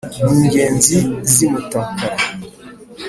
Ni Ingeri z’i Mutakara